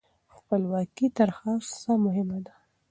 خپلواکي تر هر څه مهمه ده.